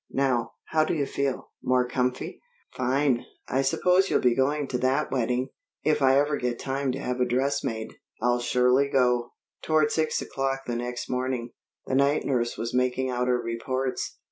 "Now, how do you feel? More comfy?" "Fine! I suppose you'll be going to that wedding?" "If I ever get time to have a dress made, I'll surely go." Toward six o'clock the next morning, the night nurse was making out her reports.